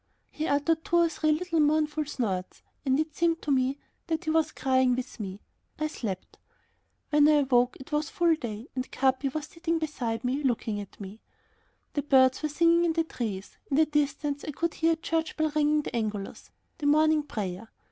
He uttered two or three little mournful snorts, and it seemed to me that he was crying with me. I slept. When I awoke it was full day and Capi was sitting beside me, looking at me. The birds were singing in the trees. In the distance I could hear a church bell ringing the Angelus, the morning prayer.